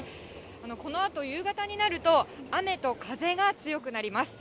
このあと、夕方になると、雨と風が強くなります。